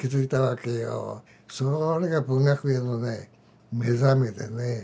それが文学へのね目覚めでね。